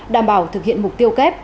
đảm bảo thực hiện mục tiêu kép